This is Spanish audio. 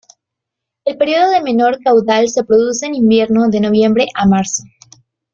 El período de menor caudal se produce en invierno, de noviembre a marzo.